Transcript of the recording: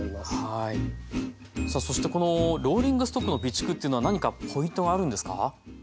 さあそしてこのローリングストックの備蓄っていうのは何かポイントはあるんですか？